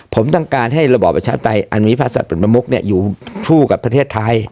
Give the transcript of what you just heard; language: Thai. ผมต้องการให้ระบบประชาติไอนุมีภาษาปริมมุกเนี่ยอยู่ชู่กับประเทศไทย